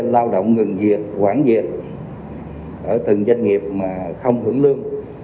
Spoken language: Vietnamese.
lao động ngừng diệt quản diệt ở từng doanh nghiệp mà không hưởng lương